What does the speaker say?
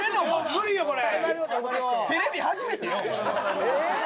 無理よこれ。